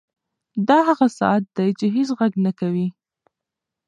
دا هغه ساعت دی چې هېڅ غږ نه کوي.